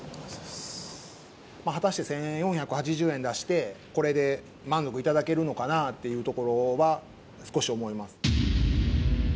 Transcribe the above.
果たして１４８０円出してこれで満足いただけるのかなっていうところは少し思います